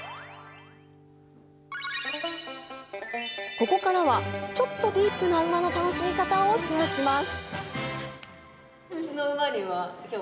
ここからは、ちょっとディープな馬の楽しみ方をシェアします。